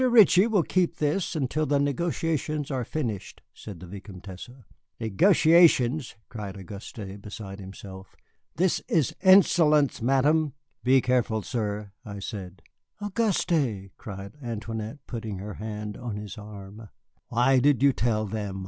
Ritchie will keep this until the negotiations are finished," said the Vicomtesse. "Negotiations!" cried Auguste, beside himself. "This is insolence, Madame." "Be careful, sir," I said. "Auguste!" cried Antoinette, putting her hand on his arm. "Why did you tell them?"